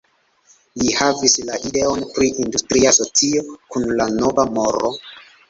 Li havis la ideon pri industria socio kun nova moro.